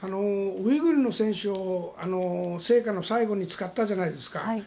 ウイグルの選手を聖火の最後に使ったじゃないですか。